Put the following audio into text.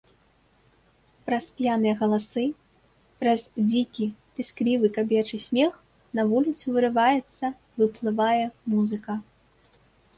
Праз п'яныя галасы, праз дзікі, пісклівы кабечы смех на вуліцу вырываецца, выплывае музыка.